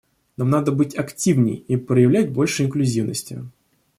Нам надо быть активней и проявлять больше инклюзивности.